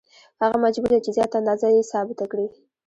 هغه مجبور دی چې زیاته اندازه یې ثابته کړي